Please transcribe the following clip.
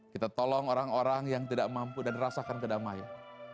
kita tolong orang orang yang tidak mampu dan rasakan kedamaian